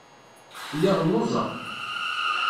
Lliɣ lluẓeɣ.